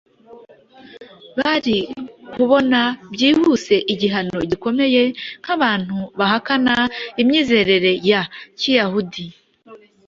bari kubona byihuse igihano gikomeye nk’abantu bahakana imyizerere ya Kiyahudi.